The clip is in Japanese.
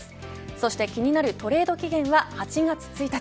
そして気になるトレード期限は８月１日。